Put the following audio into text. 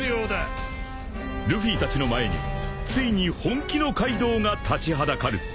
［ルフィたちの前についに本気のカイドウが立ちはだかる］